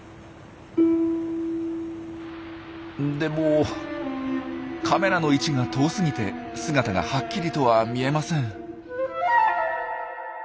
でもカメラの位置が遠すぎて姿がはっきりとは見えません。